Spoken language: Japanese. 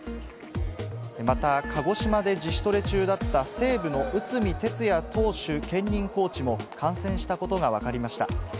また鹿児島で自主トレ中だった西武の内海哲也投手兼任コーチも、感染したことが分かりました。